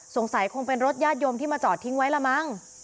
สงสัยคงเป็นรถญาติโยมที่มาจอดทิ้งไว้ละมั้ง